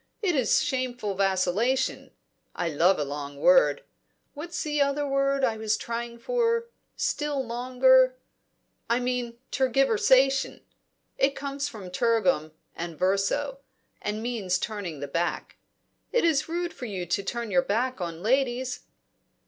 It is shameful vacillation I love a long word What's the other word I was trying for? still longer I mean, tergiversation! it comes from tergum and verso, and means turning the back. It is rude to turn your back on ladies."